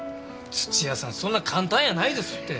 土屋さんそんな簡単やないですって。